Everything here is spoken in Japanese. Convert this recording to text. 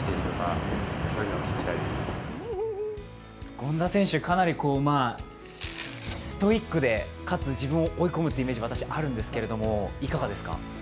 権田選手、かなりストイックでかつ自分を追い込むイメージが私、あるんですけど、いかがですか。